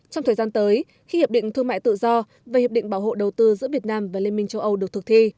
trong thời gian tới khi hiệp định thương mại tự do và hiệp định bảo hộ đầu tư giữa việt nam và liên minh châu âu được thực thi